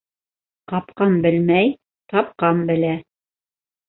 Ҡапҡан белмәй, тапҡан белә.